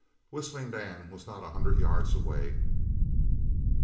Whistling Dan was not a hundred yards away.